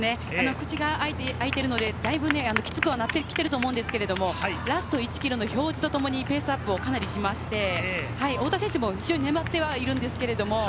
口が開いているので、だいぶきつくはなってきていると思うんですけれども、ラスト１ｋｍの表示とともにペースアップをかなりしまして、太田選手も非常に粘ってはいるんですけれども。